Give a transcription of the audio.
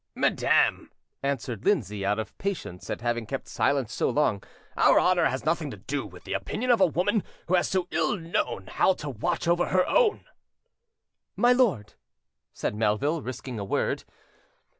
"Madam," answered Lindsay, out of patience at having kept silence so long, "our honour has nothing to do with the opinion of a woman who has so ill known how to watch over her own." "My lord!" said Melville, risking a word.